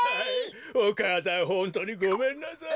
お母さんほんとうにごめんなさい。